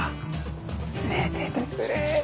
寝ててくれ。